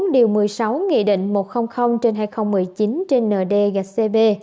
điều một mươi sáu nghị định một trăm linh trên hai nghìn một mươi chín trên nd gcp